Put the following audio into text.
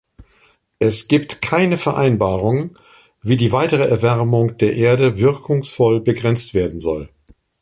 Es gibt keine Vereinbarung, wie die weitere Erwärmung der Erde wirkungsvoll begrenzt werden soll.